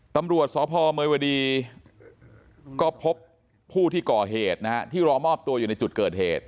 ตำรวจสพเมยวดีก็พบผู้ที่ก่อเหตุนะฮะที่รอมอบตัวอยู่ในจุดเกิดเหตุ